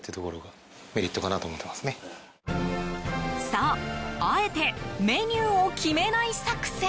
そう、あえてメニューを決めない作戦。